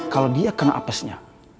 kalau dia kena apesnya